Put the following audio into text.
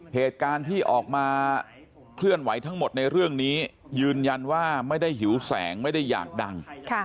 เหตุการณ์ที่ออกมาเคลื่อนไหวทั้งหมดในเรื่องนี้ยืนยันว่าไม่ได้หิวแสงไม่ได้อยากดัง